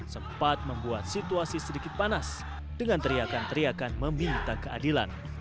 sempat membuat situasi sedikit panas dengan teriakan teriakan meminta keadilan